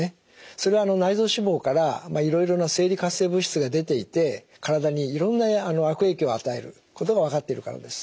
それは内臓脂肪からいろいろな生理活性物質が出ていて体にいろんな悪影響を与えることが分かっているからです。